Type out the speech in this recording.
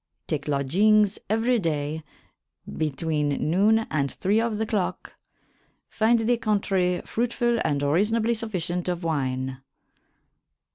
Take lodgynges every day bytwene noone and thre of the clocke. Finde the contrey frutefull and reasonably suffycent of wyne.